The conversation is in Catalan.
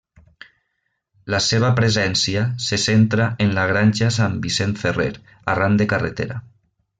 La seva presència se centra en la Granja Sant Vicent Ferrer, arran de carretera.